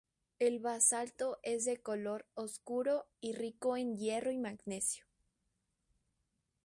El basalto es de color oscuro y rico en hierro y magnesio.